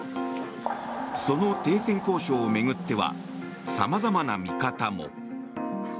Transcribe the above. その停戦交渉を巡ってはさまざまな見方も。